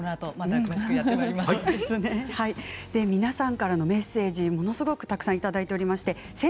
皆さんからのメッセージものすごくたくさんいただいています。